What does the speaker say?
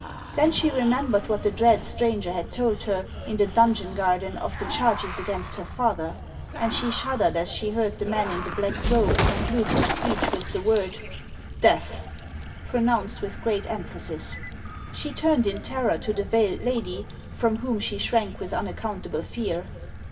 Then she remembered what the dread stranger had told her, in the donjon garden, of the charges against her father ; and she shuddered as she heard the man in the black robe conclude his speech with the word " death," pronounced with great emphasis. She turned in terror to the veiled lady, from whom she shrank with unaccountable fear.